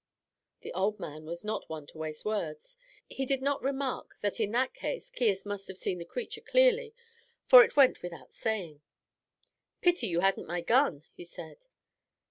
The old man was not one to waste words. He did not remark that in that case Caius must have seen the creature clearly, for it went without saying. "Pity you hadn't my gun," he said.